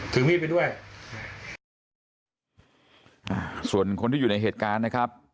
ถือมีดไปด้วยอ่าส่วนคนที่อยู่ในเหตุการณ์นะครับ